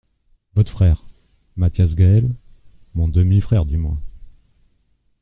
—Votre frère ?… Mathias Gaël ? —Mon demi-frère, du moins.